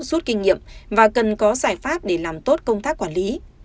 rút kinh nghiệm và cần có giải pháp để làm tốt công tác quản lý